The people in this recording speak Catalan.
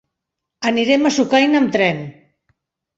Anirem a Sucaina amb tren.